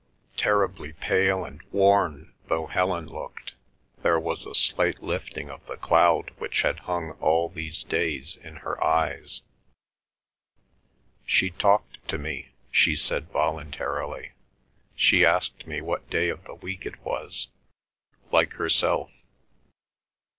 Terribly pale and worn though Helen looked, there was a slight lifting of the cloud which had hung all these days in her eyes. "She talked to me," she said voluntarily. "She asked me what day of the week it was, like herself."